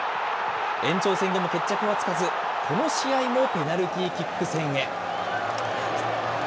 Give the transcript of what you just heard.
延長戦でも決着がつかず、この試合もペナルティーキック戦へ。